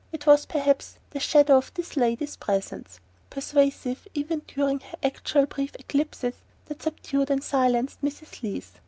It was perhaps the shadow of this lady's presence pervasive even during her actual brief eclipses that subdued and silenced Mrs. Leath.